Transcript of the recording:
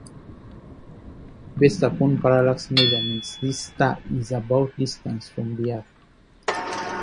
Based upon parallax measurements, this star is about distant from the Earth.